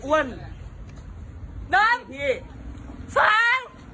วากหมารุ่มมีมว